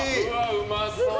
うまそう！